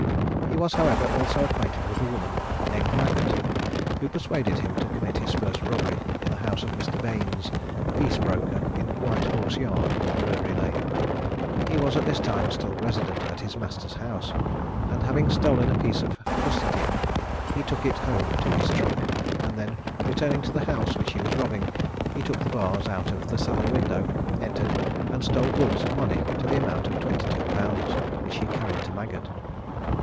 He was, however, also acquainted with a woman named Maggott, who persuaded him to commit his first robbery in the house of Mr. Bains, a piece broker, in White Horse Yard, Drury Lane. He was at this time still resident at his master's house; and having stolen a piece of fustian, he took it home to his trunk, and then returning to the house which he was robbing, he took the bars out of the cellar window, entered, and stole goods and money to the amount of 22_l._ which he carried to Maggott.